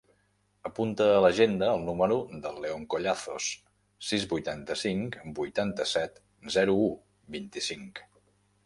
Apunta a l'agenda el número del León Collazos: sis, vuitanta-cinc, vuitanta-set, zero, u, vint-i-cinc.